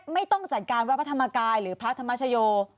ไม่ต้องจัดการวัดพระธรรมกายหรือพระธรรมชโย